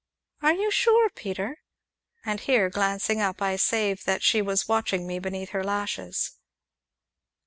"Are you sure, Peter?" And here, glancing up, I save that she was watching me beneath her lashes.